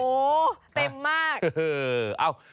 เต็มมาก